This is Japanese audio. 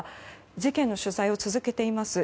事件の取材を続けています